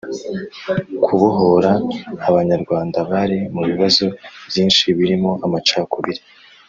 kubohora abanyarwanda bari mu bibazo byinshi birimo amacakubiri,